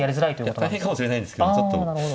いや大変かもしれないんですけどちょっと。